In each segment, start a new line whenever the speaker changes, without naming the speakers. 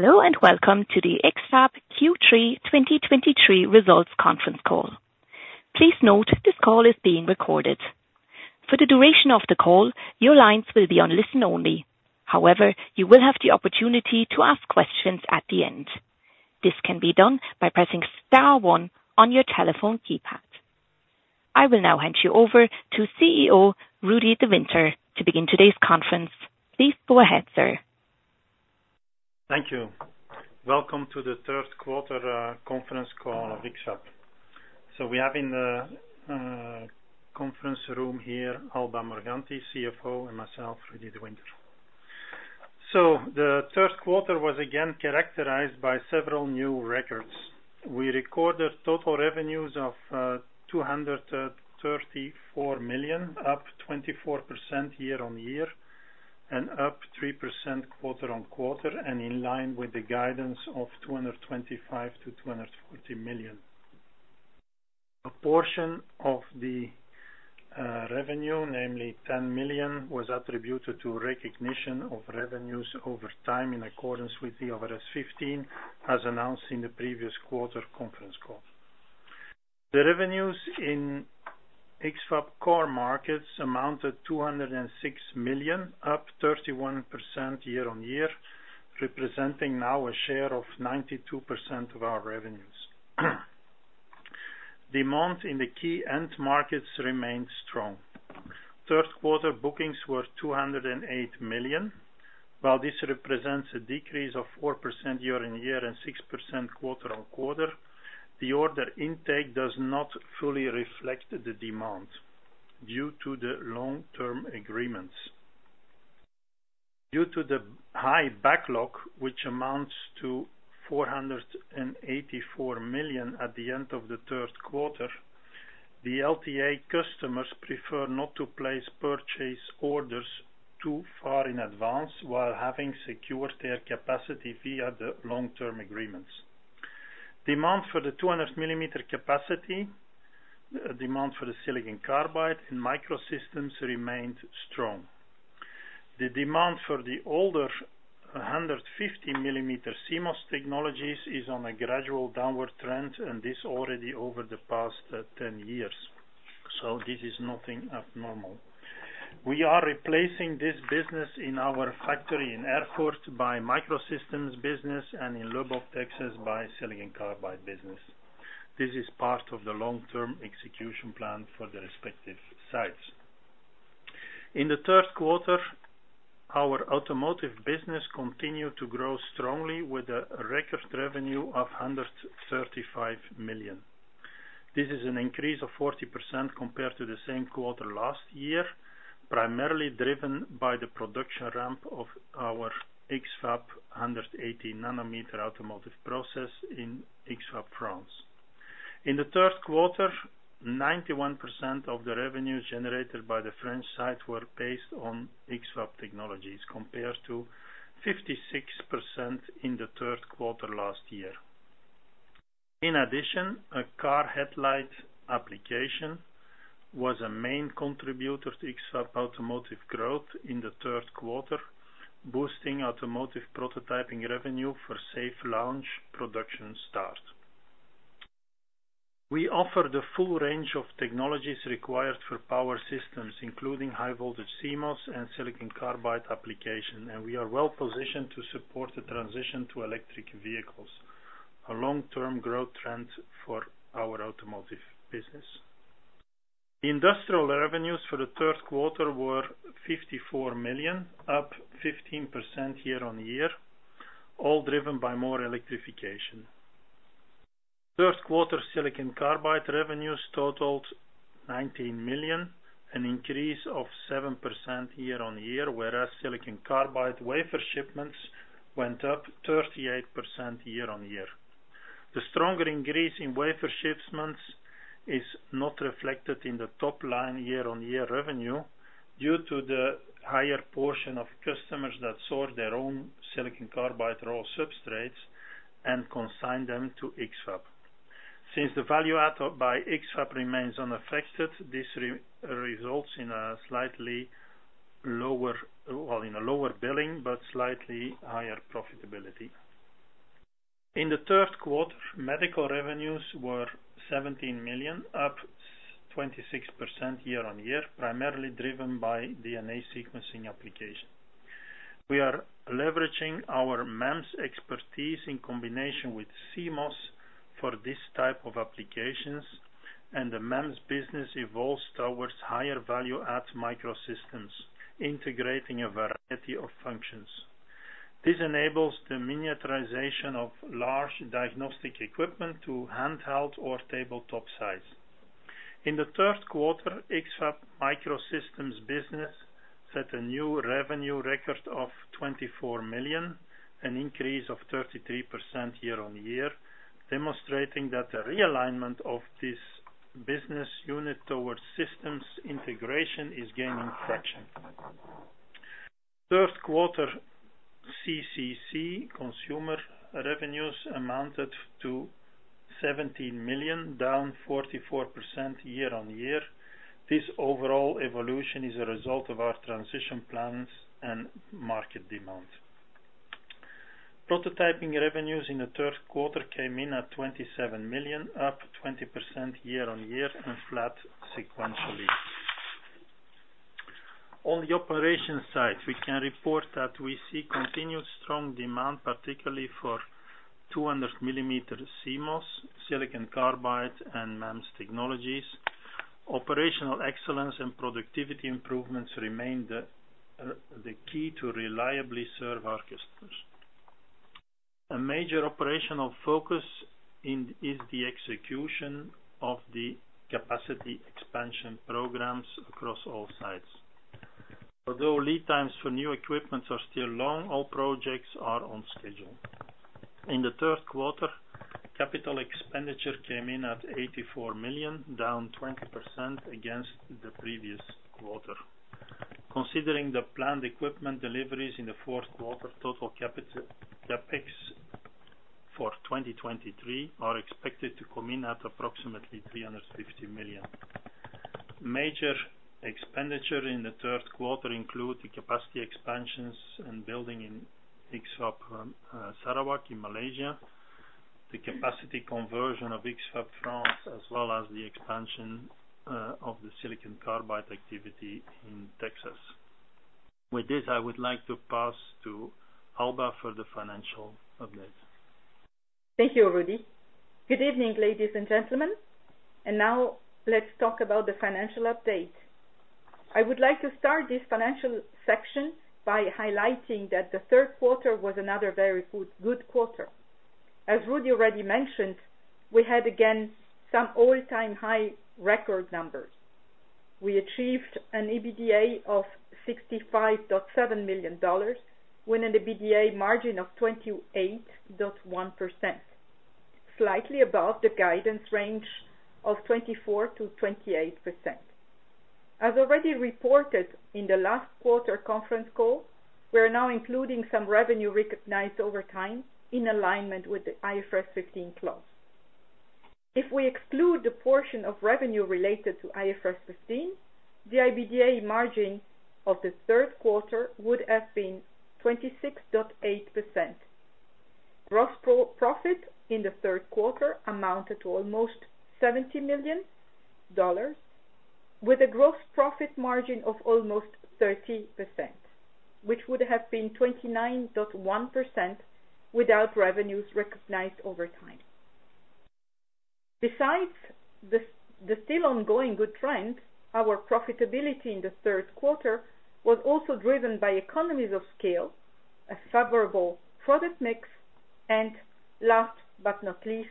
Hello, and welcome to the X-FAB Q3 2023 results conference call. Please note this call is being recorded. For the duration of the call, your lines will be on listen only. However, you will have the opportunity to ask questions at the end. This can be done by pressing star one on your telephone keypad. I will now hand you over to CEO, Rudi De Winter, to begin today's conference. Please go ahead, sir.
Thank you. Welcome to the Q3 conference call of X-FAB. So we have in the conference room here, Alba Morganti, CFO, and myself, Rudi De Winter. So the Q3 was again characterized by several new records. We recorded total revenues of 234 million, up 24% year-on-year, and up 3% quarter-on-quarter, and in line with the guidance of 225 million-240 million. A portion of the revenue, namely 10 million, was attributed to recognition of revenues over time, in accordance with IFRS 15, as announced in the previous quarter conference call. The revenues in X-FAB core markets amounted 206 million, up 31% year-on-year, representing now a share of 92% of our revenues. Demand in the key end markets remains strong. Q3 bookings were $208 million. While this represents a decrease of 4% year-over-year and 6% quarter-over-quarter, the order intake does not fully reflect the demand due to the long-term agreements. Due to the high backlog, which amounts to $484 million at the end of the Q3, the LTA customers prefer not to place purchase orders too far in advance while having secured their capacity via the long-term agreements. Demand for the 200 mm capacity, demand for the silicon carbide and microsystems remained strong. The demand for the older 150 mm CMOS technologies is on a gradual downward trend, and this already over the past 10 years, so this is nothing abnormal. We are replacing this business in our factory in Erfurt by microsystems business and in Lubbock, Texas, by silicon carbide business. This is part of the long-term execution plan for the respective sites. In the Q3, our automotive business continued to grow strongly with a record revenue of 135 million. This is an increase of 40% compared to the same quarter last year, primarily driven by the production ramp of our X-FAB 180-nanometer automotive process in X-FAB, France. In the Q3, 91% of the revenues generated by the French site were based on X-FAB technologies, compared to 56% in the Q3 last year. In addition, a car headlight application was a main contributor to X-FAB automotive growth in the Q3, boosting automotive prototyping revenue for safe launch production start. We offer the full range of technologies required for power systems, including high voltage CMOS and silicon carbide application, and we are well positioned to support the transition to electric vehicles, a long-term growth trend for our automotive business. Industrial revenues for the Q3 were 54 million, up 15% year-on-year, all driven by more electrification. Q3 silicon carbide revenues totaled 19 million, an increase of 7% year-on-year, whereas silicon carbide wafer shipments went up 38% year-on-year. The stronger increase in wafer shipments is not reflected in the top line year-on-year revenue due to the higher portion of customers that source their own silicon carbide raw substrates and consign them to X-FAB. Since the value add up by X-FAB remains unaffected, this results in a slightly lower, well, in a lower billing, but slightly higher profitability. In the Q3, medical revenues were 17 million, up 26% year-on-year, primarily driven by DNA sequencing application. We are leveraging our MEMS expertise in combination with CMOS for this type of applications, and the MEMS business evolves towards higher value add microsystems, integrating a variety of functions. This enables the miniaturization of large diagnostic equipment to handheld or tabletop size. In the Q3, X-FAB microsystems business set a new revenue record of 24 million, an increase of 33% year-on-year, demonstrating that the realignment of this business unit towards systems integration is gaining traction. Q3 CCC, consumer revenues, amounted to 17 million, down 44% year-on-year. This overall evolution is a result of our transition plans and market demand. Prototyping revenues in the Q3 came in at 27 million, up 20% year-on-year and flat sequentially. On the operation side, we can report that we see continued strong demand, particularly for 200 mm CMOS, silicon carbide, and MEMS technologies. Operational excellence and productivity improvements remain the key to reliably serve our customers. A major operational focus is the execution of the capacity expansion programs across all sites. Although lead times for new equipment are still long, all projects are on schedule. In the Q3, capital expenditure came in at $84 million, down 20% against the previous quarter. Considering the planned equipment deliveries in the Q4, total capital CapEx for 2023 are expected to come in at approximately $350 million. Major expenditure in the Q3 include the capacity expansions and building in X-FAB, Sarawak in Malaysia, the capacity conversion of X-FAB France, as well as the expansion of the silicon carbide activity in Texas. With this, I would like to pass to Alba for the financial update.
Thank you, Rudy. Good evening, ladies and gentlemen, and now let's talk about the financial update. I would like to start this financial section by highlighting that the Q3 was another very good, good quarter. As Rudy already mentioned, we had, again, some all-time high record numbers. We achieved an EBITDA of $65.7 million, with an EBITDA margin of 28.1%, slightly above the guidance range of 24%-28%. As already reported in the last quarter conference call, we are now including some revenue recognized over time in alignment with the IFRS 15 clause. If we exclude the portion of revenue related to IFRS 15, the EBITDA margin of the Q3 would have been 26.8%. Gross profit in the Q3 amounted to almost $70 million, with a gross profit margin of almost 30%, which would have been 29.1% without revenues recognized over time. Besides the still ongoing good trend, our profitability in the Q3 was also driven by economies of scale, a favorable product mix, and last but not least,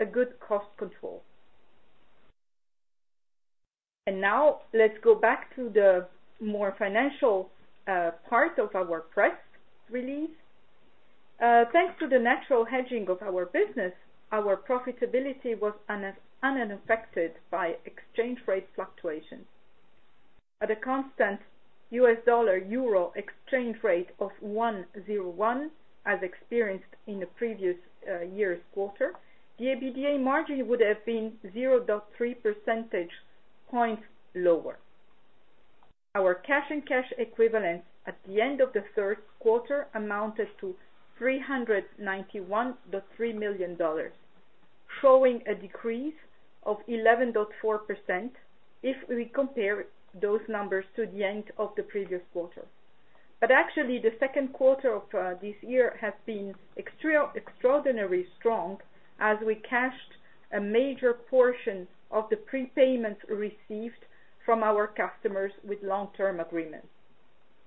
a good cost control. Now let's go back to the more financial part of our press release. Thanks to the natural hedging of our business, our profitability was unaffected by exchange rate fluctuations. At a constant US dollar, euro exchange rate of 1.01, as experienced in the previous year's quarter, the EBITDA margin would have been 0.3 percentage points lower. Our cash and cash equivalent at the end of the Q3 amounted to $391.3 million, showing a decrease of 11.4% if we compare those numbers to the end of the previous quarter. But actually, the Q2 of this year has been extraordinarily strong, as we cashed a major portion of the prepayment received from our customers with long-term agreements.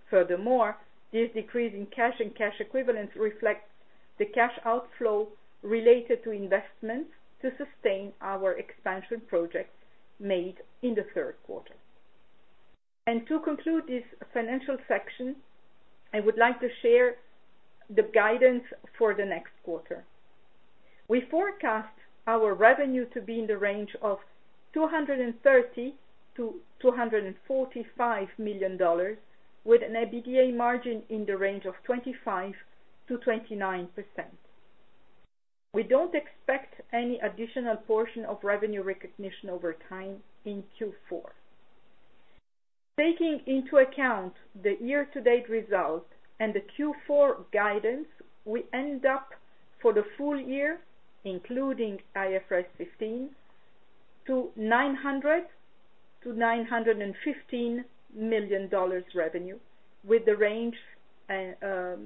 Furthermore, this decrease in cash and cash equivalents reflects the cash outflow related to investments to sustain our expansion projects made in the Q3. And to conclude this financial section, I would like to share the guidance for the next quarter. We forecast our revenue to be in the range of $230-$245 million, with an EBITDA margin in the range of 25%-29%. We don't expect any additional portion of revenue recognition over time in Q4. Taking into account the year-to-date result and the Q4 guidance, we end up for the full year, including IFRS 15, to $900 million-$915 million revenue, with the range, and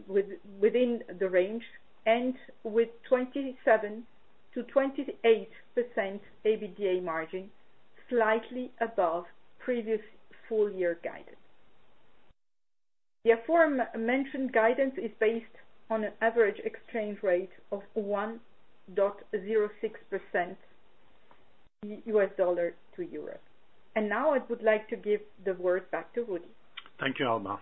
within the range, and with 27%-28% EBITDA margin, slightly above previous full year guidance. The aforementioned guidance is based on an average exchange rate of 1.06 US dollar to euro. And now I would like to give the word back to Rudy.
Thank you, Alba.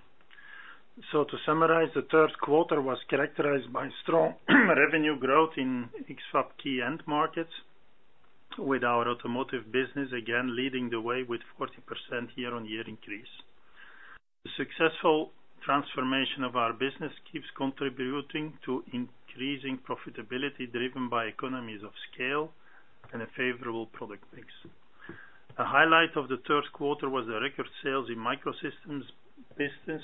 So to summarize, the Q3 was characterized by strong revenue growth in X-FAB key end markets, with our automotive business again leading the way with 40% year-on-year increase. The successful transformation of our business keeps contributing to increasing profitability, driven by economies of scale and a favorable product mix. A highlight of the Q3 was the record sales in Microsystems business,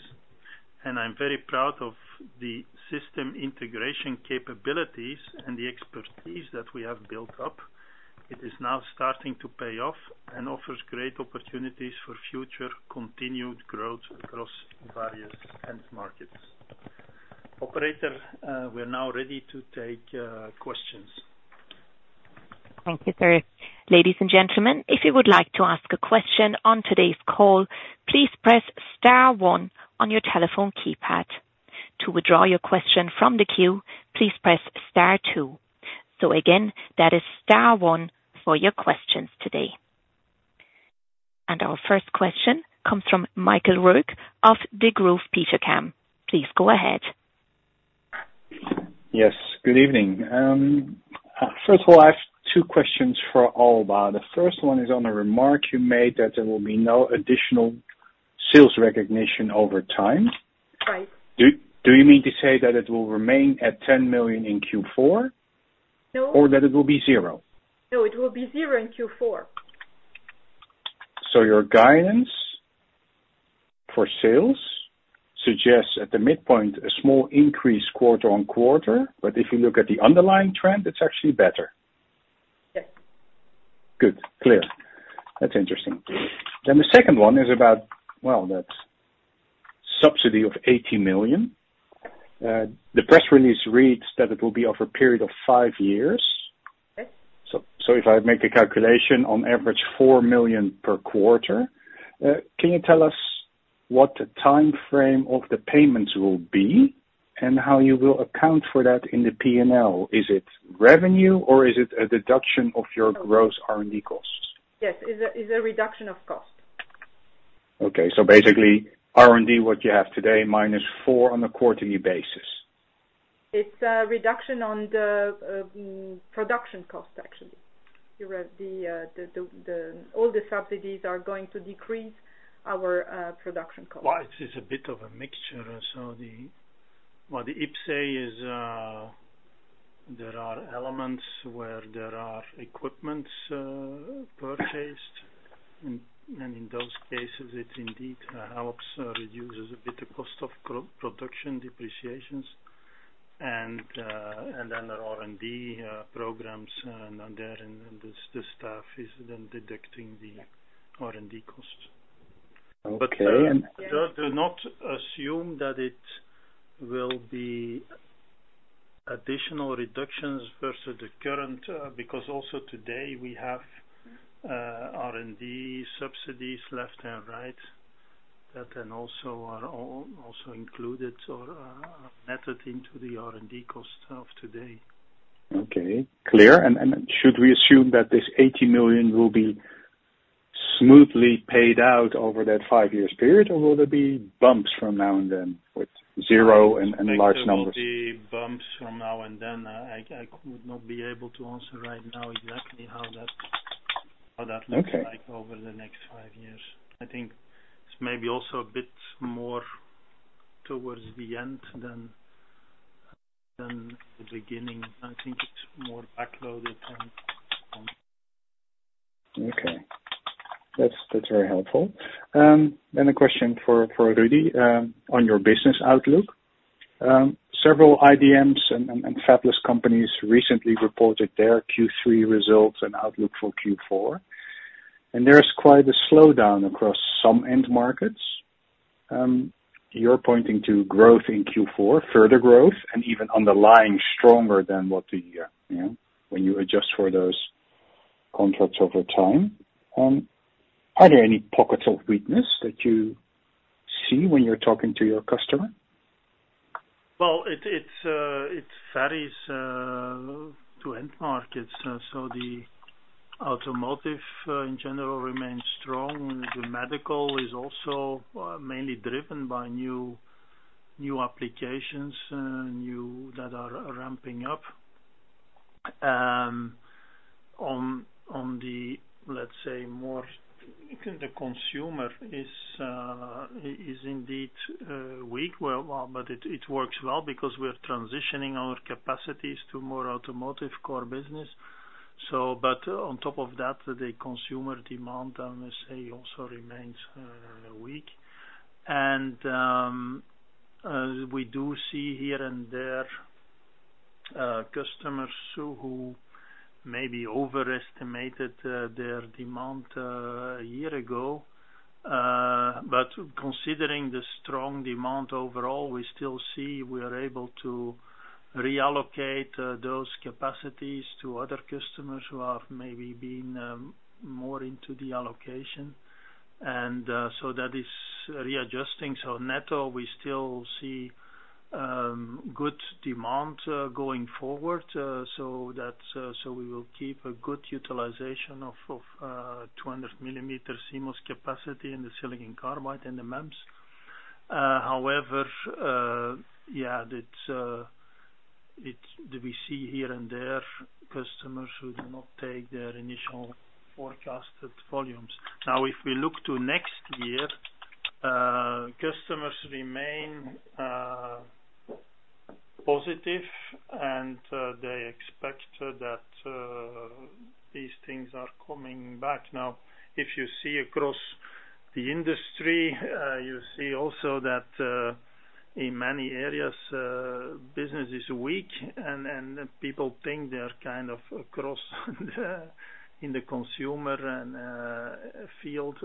and I'm very proud of the system integration capabilities and the expertise that we have built up. It is now starting to pay off and offers great opportunities for future continued growth across various end markets. Operator, we are now ready to take questions.
Thank you, sir. Ladies and gentlemen, if you would like to ask a question on today's call, please press star one on your telephone keypad. To withdraw your question from the queue, please press star two. So again, that is star one for your questions today. And our first question comes from Michael Roeg of Degroof Petercam. Please go ahead.
Yes, good evening. First of all, I have two questions for Alba. The first one is on the remark you made, that there will be no additional sales recognition over time.
Right.
Do you mean to say that it will remain at 10 million in Q4?
No.
Or that it will be 0?
No, it will be zero in Q4.
Your guidance for sales suggests, at the midpoint, a small increase quarter-over-quarter, but if you look at the underlying trend, it's actually better?
Yes.
Good. Clear. That's interesting. Then the second one is about, well, that subsidy of 80 million. The press release reads that it will be over a period of five years.
Yes.
So, if I make a calculation, on average, 4 million per quarter. Can you tell us what the timeframe of the payments will be and how you will account for that in the P&L? Is it revenue or is it a deduction of your gross R&D costs?
Yes, it's a reduction of cost.
Okay. So basically, R&D, what you have today, minus 4 on a quarterly basis.
It's a reduction on the production cost, actually. You read the, the, all the subsidies are going to decrease our production cost.
Well, it is a bit of a mixture. What the IPCEI is, there are elements where there are equipments purchased, and in those cases, it indeed helps, reduces a bit the cost of production, depreciations, and then there are R&D programs, and then the staff is then deducting the R&D cost.
Okay, and-
Do not assume that it will be additional reductions versus the current, because also today, we have R&D subsidies left and right, that then also are also included or method into the R&D cost of today.
Okay, clear. Should we assume that this $80 million will be smoothly paid out over that five-year period, or will there be bumps from now and then, with zero and large numbers?
There will be bumps from now and then. I could not be able to answer right now exactly how that looks like-
Okay.
- over the next five years. I think it's maybe also a bit more towards the end than the beginning. I think it's more backloaded than,
Okay. That's, that's very helpful. Then a question for, for Rudy, on your business outlook. Several IDMs and, and, fabless companies recently reported their Q3 results and outlook for Q4, and there is quite a slowdown across some end markets. You're pointing to growth in Q4, further growth, and even underlying stronger than what the year, you know, when you adjust for those contracts over time. Are there any pockets of weakness that you see when you're talking to your customer?
Well, it varies to end markets. The automotive, in general, remains strong. The medical is also mainly driven by new, new applications, new that are ramping up. On the, let's say, more, the consumer is indeed weak. Well, it works well because we are transitioning our capacities to more automotive core business. On top of that, the consumer demand, I must say, also remains weak. We do see here and there customers who maybe overestimated their demand a year ago. Considering the strong demand overall, we still see we are able to reallocate those capacities to other customers who have maybe been more into the allocation. That is readjusting. Net, we still see good demand going forward, so we will keep a good utilization of 200 mm CMOS capacity in the silicon carbide and the MEMS. However, that's it, we do see here and there customers who do not take their initial forecasted volumes. Now, if we look to next year, customers remain positive, and they expect that these things are coming back. Now, if you see across the industry, you see also that in many areas, business is weak, and people think they are kind of across the, in the consumer and field,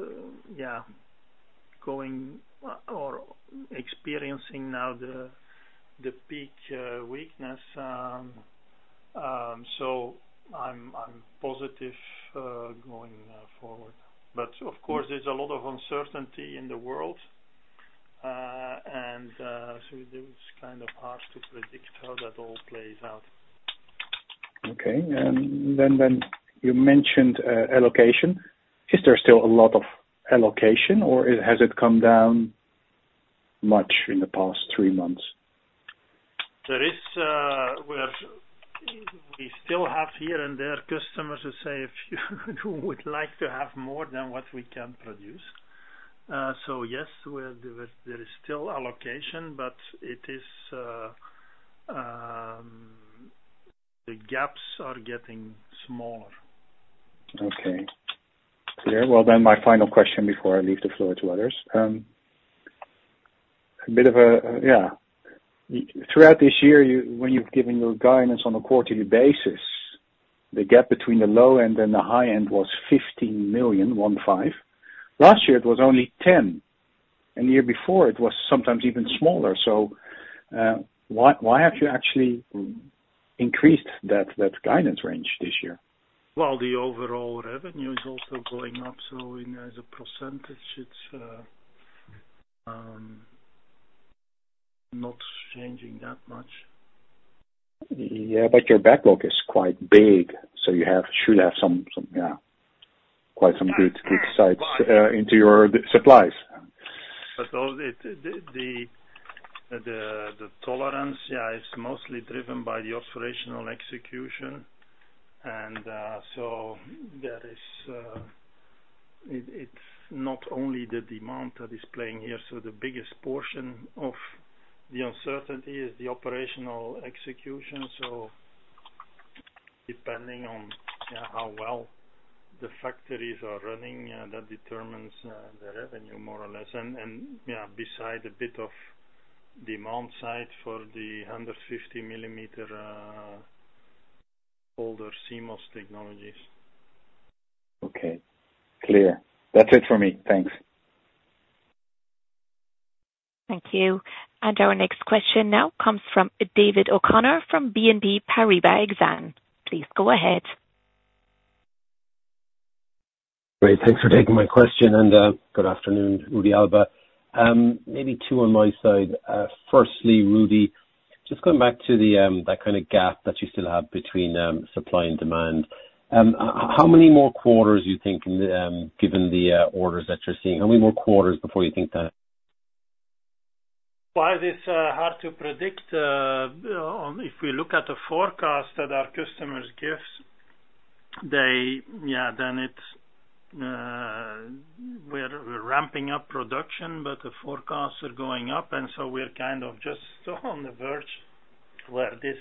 experiencing now the peak weakness. I'm positive going forward. Of course, there's a lot of uncertainty in the world. It is kind of hard to predict how that all plays out.
Okay. And then you mentioned allocation. Is there still a lot of allocation, or has it come down much in the past three months?
There is, we still have here and there, customers who say, if you would like to have more than what we can produce. So yes, there is still allocation, but it is, the gaps are getting smaller.
Okay. Clear. Well, my final question before I leave the floor to others. A bit of a... Yeah. Throughout this year, you- when you've given your guidance on a quarterly basis, the gap between the low end and the high end was $15 million, one five. Last year it was only $10 million, and the year before it was sometimes even smaller. Why, why have you actually increased that, that guidance range this year?
Well, the overall revenue is also going up, so in as a percentage, it's not changing that much.
Yeah, but your backlog is quite big, so you should have some, yeah, quite some good insights into your supplies.
All the tolerance, yeah, is mostly driven by the operational execution. There is, it's not only the demand that is playing here. The biggest portion of the uncertainty is the operational execution. Depending on how well the factories are running, that determines the revenue more or less. Yeah, beside a bit of demand side for the 150 mm older CMOS technologies.
Okay, clear. That's it for me. Thanks.
Thank you. Our next question now comes from David O'Connor, from BNP Paribas Exane. Please go ahead.
Great. Thanks for taking my question, and good afternoon, Rudy, Alba. Maybe two on my side. Firstly, Rudy, just going back to that kind of gap that you still have between supply and demand. How many more quarters do you think, given the orders that you're seeing, how many more quarters before you think that?
Well, it is hard to predict. If we look at the forecast that our customers gives, Yeah, then it, we're, we're ramping up production, but the forecasts are going up, and so we're kind of just on the verge where this,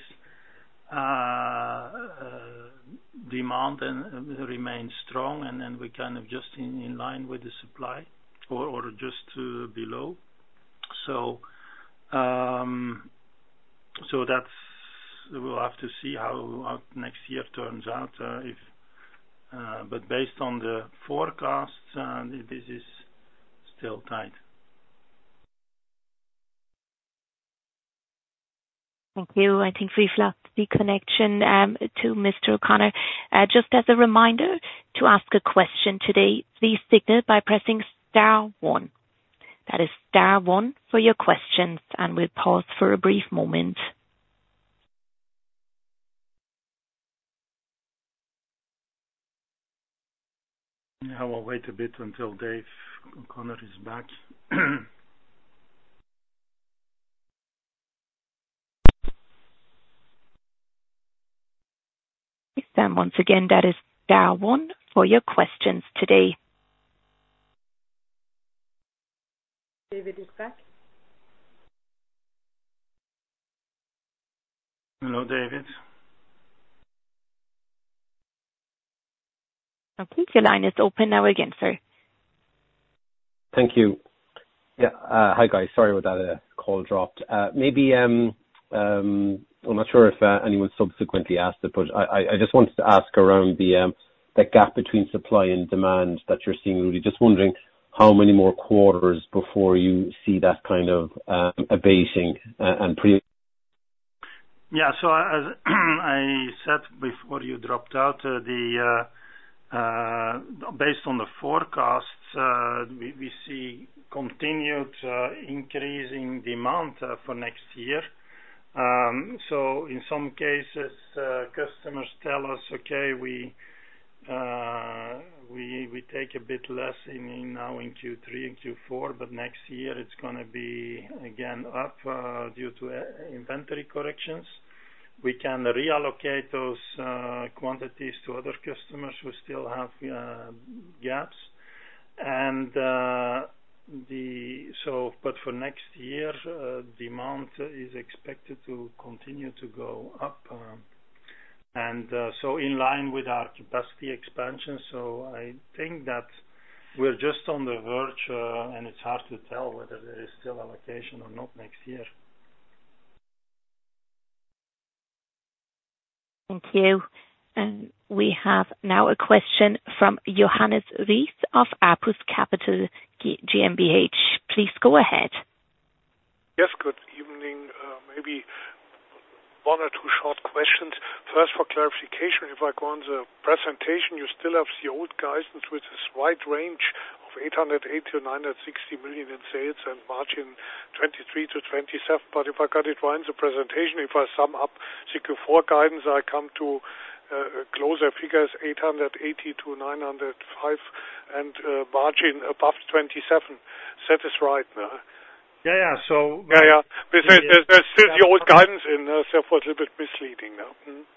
demand and remains strong, and then we're kind of just in line with the supply or just below. So, so that's, we'll have to see how our next year turns out, but based on the forecasts, this is still tight.
Thank you. I think we've lost the connection to Mr. O'Connor. Just as a reminder, to ask a question today, please signal by pressing star one. That is star one for your questions, and we'll pause for a brief moment.
Now we'll wait a bit until David O'Connor is back.
Once again, that is star one for your questions today. David is back.
Hello, David.
Okay, your line is open now again, sir.
Thank you. Yeah, hi, guys. Sorry about that, call dropped. Maybe I'm not sure if anyone subsequently asked it, but I just wanted to ask around the gap between supply and demand that you're seeing, Rudy. Just wondering how many more quarters before you see that kind of abating, and pretty-
Yeah, so as I said before you dropped out, based on the forecasts, we see continued increasing demand for next year. So in some cases, customers tell us, "Okay, we take a bit less in now in Q3 and Q4, but next year it's gonna be again up due to inventory corrections. We can reallocate those quantities to other customers who still have gaps. And so but for next year, demand is expected to continue to go up. And so in line with our capacity expansion. So I think that we're just on the verge, and it's hard to tell whether there is still allocation or not next year.
Thank you. We have now a question from Johannes Ries of Apus Capital GmbH. Please go ahead.
Yes, good evening. Maybe one or two short questions. First, for clarification, if I go on the presentation, you still have the old guidance with this wide range of 808 million-960 million in sales, and margin 23%-27%. But if I got it right, the presentation, if I sum up Q4 guidance, I come to closer figures, 880 million-905 million, and margin above 27%. That is right?
Yeah, yeah, so-
Yeah, yeah. There's still the old guidance in there, so it's a little bit misleading now, mm-hmm.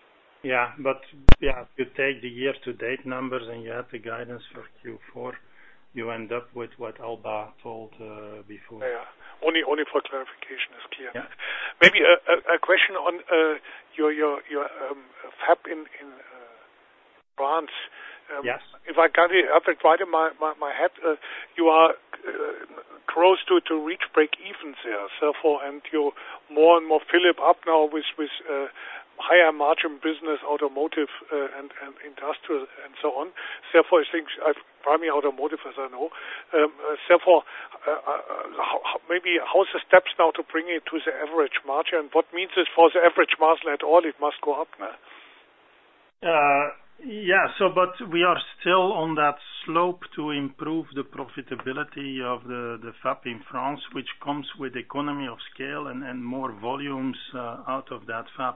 Yeah, but yeah, if you take the year to date numbers and you add the guidance for Q4, you end up with what Alba told before.
Yeah. Only for clarification, it's clear.
Yeah.
Maybe a question on your fab in France.
Yes.
If I got it up right in my head, you are close to reach break-even there. You more and more fill it up now with higher margin business, automotive, and industrial and so on. Therefore, I think, primarily automotive, as I know. So, how maybe is the steps now to bring it to the average margin? What means it for the average margin at all? It must go up now?
Yeah, we are still on that slope to improve the profitability of the fab in France, which comes with economy of scale and more volumes out of that fab.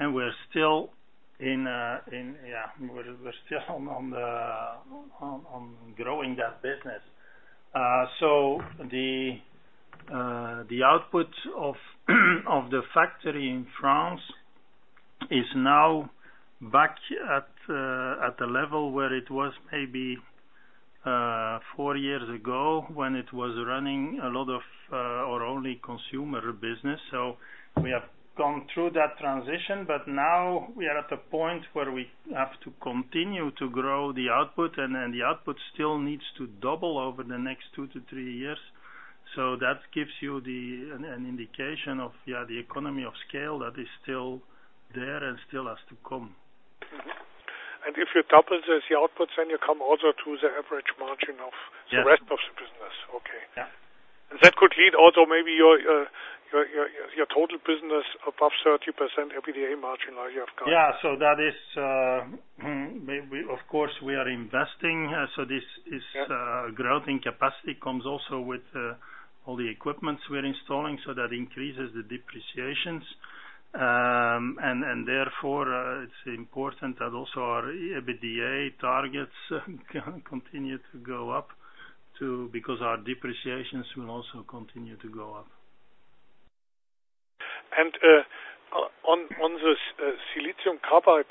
We're still in, yeah, we're still on growing that business. The output of the factory in France is now back at the level where it was maybe four years ago, when it was running a lot of, or only, consumer business. We have gone through that transition, but now we are at a point where we have to continue to grow the output, and the output still needs to double over the next two to three years. That gives you the... an indication of, yeah, the economy of scale that is still there and still has to come.
Mm-hmm. And if you double the output, then you come also to the average margin of-
Yeah.
The rest of the business. Okay.
Yeah.
That could lead also maybe your total business above 30% EBITDA margin, like you have got.
Yeah, so that is, maybe of course, we are investing, so this is-
Yeah.
Growth in capacity comes also with all the equipment we are installing, so that increases the depreciations. And therefore, it's important that also our EBITDA targets continue to go up to, because our depreciations will also continue to go up.
On the silicon carbide,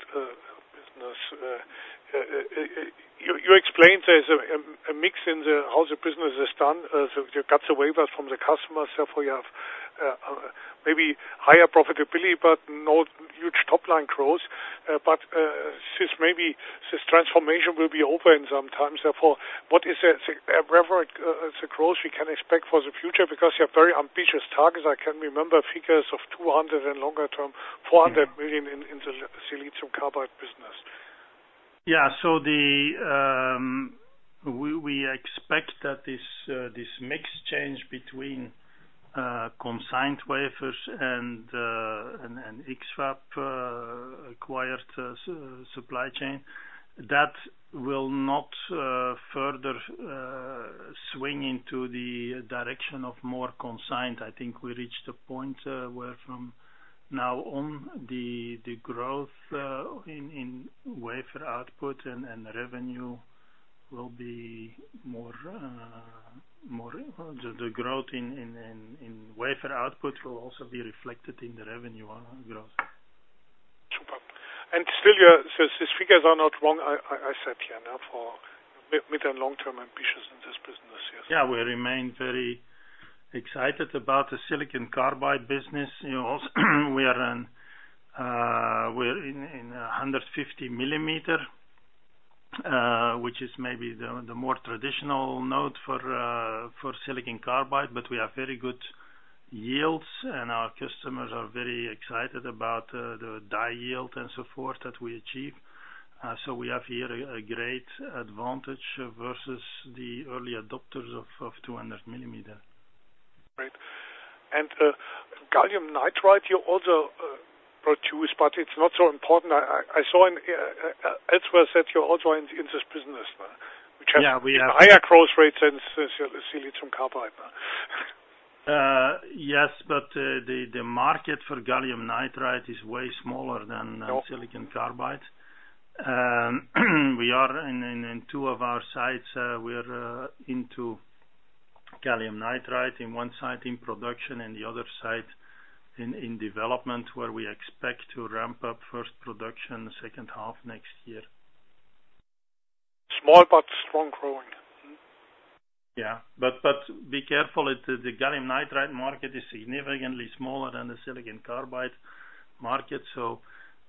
you explained there's a mix in how the business is done. So you got the wafers from the customers, therefore you have maybe higher profitability, but no huge top line growth. But since maybe this transformation will be open sometimes, therefore, what is the whatever the growth we can expect for the future? Because you have very ambitious targets. I can remember figures of 200, and longer term, 400 million-
Mm-hmm.
in the silicon carbide business.
Yeah, so the, we expect that this mix change between consigned wafers and and X-FAB acquired supply chain, that will not further swing into the direction of more consigned. I think we reached a point where from now on, the growth in wafer output and revenue will be more more. The growth in wafer output will also be reflected in the revenue growth.
Superb. And still, your—so these figures are not wrong. I said here now for mid- and long-term ambitions in this business, yes?
Yeah, we remain very excited about the silicon carbide business. You know, we are in, we're in, in a 150 millimeter, which is maybe the, the more traditional node for, for silicon carbide, but we have very good yields, and our customers are very excited about, the die yield and so forth, that we achieve. So we have here a, a great advantage versus the early adopters of, of 200 millimeter.
Great. And, Gallium Nitride, you also produce, but it's not so important. I saw elsewhere that you're also in this business, which have-
Yeah, we are.
higher growth rates than Silicon Carbide....
Yes, but the market for Gallium Nitride is way smaller than Silicon Carbide. We are in two of our sites into Gallium Nitride in one site in production and the other site in development, where we expect to ramp up first production second half next year.
Small but strong growing.
Yeah, but be careful, the gallium nitride market is significantly smaller than the silicon carbide market. So,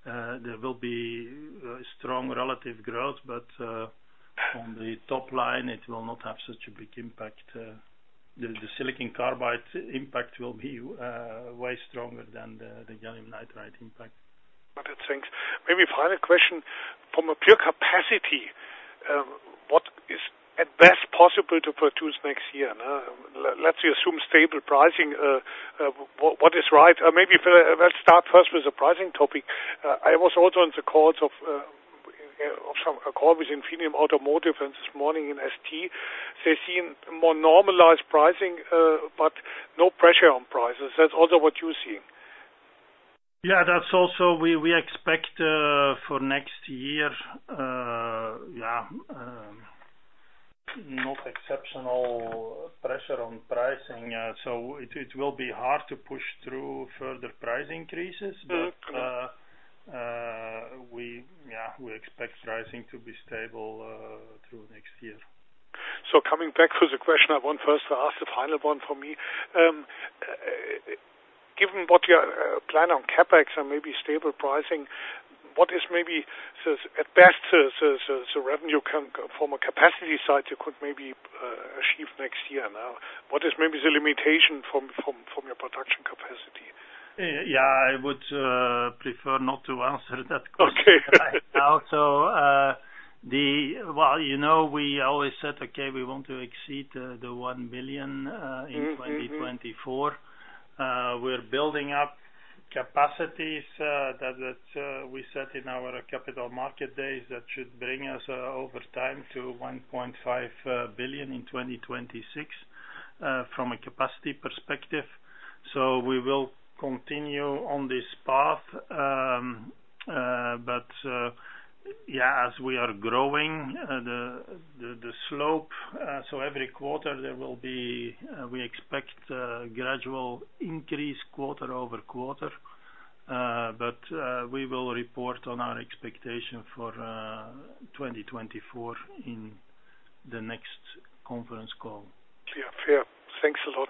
there will be strong relative growth, but on the top line, it will not have such a big impact. The silicon carbide impact will be way stronger than the gallium nitride impact.
Got it. Thanks. Maybe final question. From a pure capacity, what is at best possible to produce next year, huh? Let's assume stable pricing, what is right? Or maybe let's start first with the pricing topic. I was also on the calls of some, a call with Infineon Automotive and this morning in ST. They seem more normalized pricing, but no pressure on prices. That's also what you're seeing?
Yeah, that's also what we expect for next year. Yeah, no exceptional pressure on pricing. It will be hard to push through further price increases.
Yeah, correct.
We expect pricing to be stable through next year.
So coming back to the question I want first to ask, the final one for me. Given what your plan on CapEx and maybe stable pricing, what is maybe at best the revenue from a capacity side you could maybe achieve next year now? What is maybe the limitation from your production capacity?
Yeah, I would prefer not to answer that question.
Okay.
Also, well, you know, we always said, "Okay, we want to exceed 1 billion in 2024.
Mm-hmm.
We're building up capacities that we set in our capital market days. That should bring us, over time, to 1.5 billion in 2026 from a capacity perspective. So we will continue on this path. But yeah, as we are growing, the slope, so every quarter there will be we expect gradual increase quarter-over-quarter. But we will report on our expectation for 2024 in the next conference call.
Clear. Fair. Thanks a lot.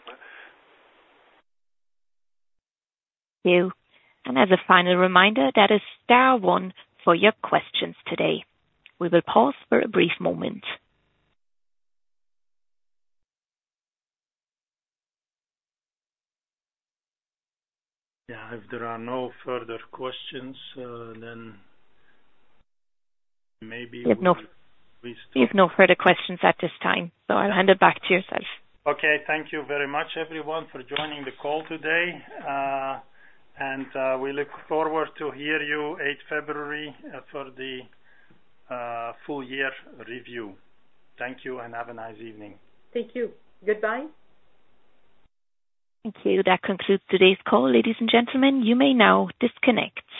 As a final reminder, that is star one for your questions today. We will pause for a brief moment.
Yeah, if there are no further questions, then maybe we-
We have no further questions at this time, so I'll hand it back to you, sir.
Okay, thank you very much, everyone, for joining the call today, and we look forward to hear you 8th February for the full year review. Thank you and have a nice evening.
Thank you. Goodbye. Thank you. That concludes today's call, ladies and gentlemen. You may now disconnect.